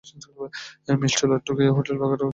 মিষ্টি লাড্ডু খেয়ে হোটেলে থাকার চেয়ে এই লাইন ধরছো না কেন?